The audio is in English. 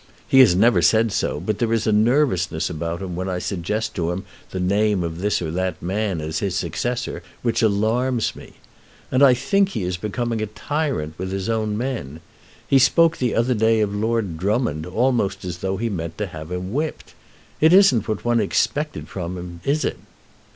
He has never said so, but there is a nervousness about him when I suggest to him the name of this or that man as his successor which alarms me. And I think he is becoming a tyrant with his own men. He spoke the other day of Lord Drummond almost as though he meant to have him whipped. It isn't what one expected from him; is it?"